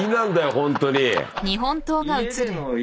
ホントに。